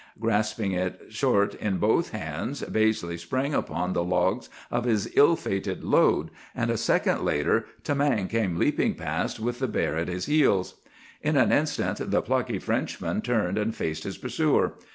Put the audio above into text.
Grasping it short in both hands, Baizley sprang upon the logs of his ill fated load, and a second later Tamang came leaping past with the bear at his heels. "In an instant the plucky Frenchman turned and faced his pursuer.